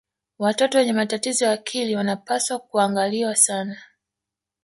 watoto wenye matatizo ya akili wanapaswa kuangaliwa sana